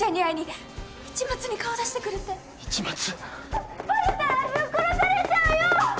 あっバレたらぶっ殺されちゃうよ！